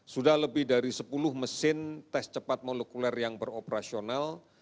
sudah lebih dari sepuluh mesin tes cepat molekuler yang beroperasional